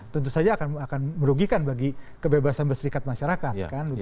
tentu saja akan merugikan bagi kebebasan berserikat masyarakat